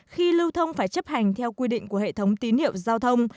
khi lưu thông phải chấp hành theo quy định của hệ thống tín hiệu giao thông